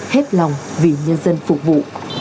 hết lòng vì nhân dân phục vụ